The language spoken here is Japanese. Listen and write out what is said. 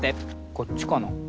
こっちかな？